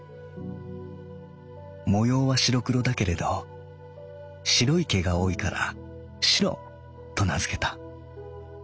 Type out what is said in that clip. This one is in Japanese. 模様は白黒だけれど白い毛が多いから『しろ』と名づけた。